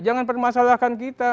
jangan permasalahkan kita